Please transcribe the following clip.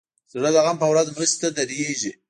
زړه د غم په ورځ مرستې ته دریږي.